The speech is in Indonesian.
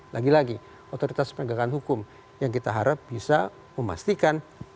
lagi lagi otoritas penegakan hukum yang kita harap bisa memastikan